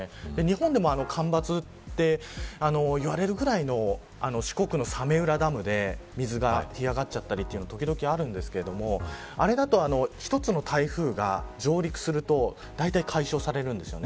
日本でも干ばつって言われるぐらいの四国の早明浦ダムで水が干上がっちゃったりというのが、時々あるんですけどあれだと１つの台風が上陸するとだいたい解消されるんです。